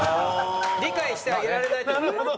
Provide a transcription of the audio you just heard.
理解してあげられないって事ね。